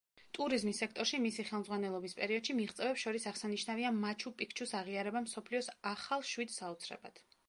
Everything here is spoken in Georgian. ტურიზმის სექტორში მისი ხელმძღვანელობის პერიოდში მიღწევებს შორის აღსანიშნავია მაჩუ-პიქჩუს აღიარება მსოფლიოს ახალ შვიდი საოცრებად.